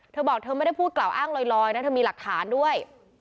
เธอบอกเธอไม่ได้พูดกล่าวอ้างลอยนะเธอมีหลักฐานด้วย